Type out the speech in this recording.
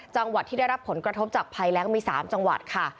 จังหวัดที่ได้รับผลกระทบจากภัยแรงมี๓จังหวัดค่ะ